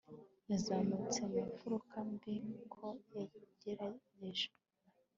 Yazamutse mu mfuruka mbi uko yagerageje